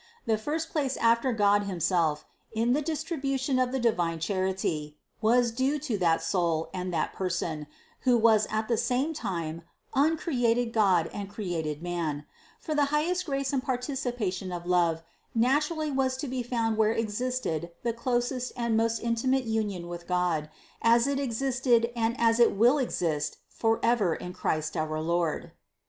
The first place after God himself, in the dis tribution of divine Charity, was due to that Soul and that Person, who was at the same time uncreated God and created man ; for the highest grace and participation of love naturally was to be found where existed the closest and most intimate union with God, as it existed and as it will exist forever in Christ our Lord.